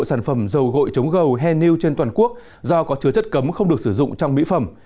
sản phẩm dầu gội chống gầu henil trên toàn quốc do có chứa chất cấm không được sử dụng trong mỹ phẩm